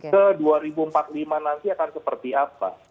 ke dua ribu empat puluh lima nanti akan seperti apa